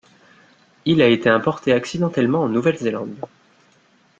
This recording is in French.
Il a été importé accidentellement en Nouvelle-Zélande.